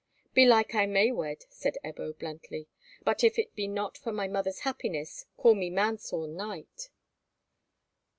"Belike I may wed," said Ebbo, bluntly; "but if it be not for my mother's happiness, call me man sworn knight."